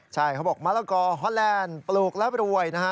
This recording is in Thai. ใช่เขาบอกมะละกอฮอนแลนด์ปลูกแล้วรวยนะฮะ